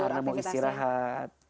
karena mau istirahat